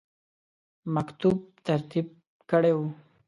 مکتوب ترتیب کړی وو.